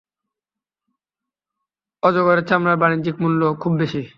অজগরের চামড়ার বাণিজ্যিক মূল্য খুব বেশি।